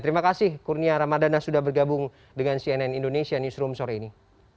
terima kasih kurnia ramadana sudah bergabung dengan cnn indonesia newsroom sore ini